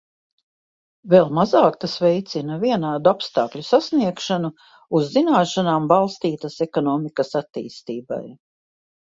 Vēl mazāk tas veicina vienādu apstākļu sasniegšanu uz zināšanām balstītas ekonomikas attīstībai.